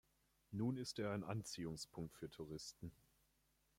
Nun ist er ein Anziehungspunkt für Touristen.